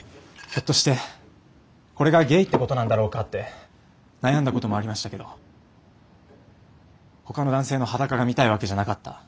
ひょっとしてこれがゲイってことなんだろうかって悩んだこともありましたけどほかの男性の裸が見たいわけじゃなかった。